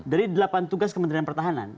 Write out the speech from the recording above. dari delapan tugas kementerian pertahanan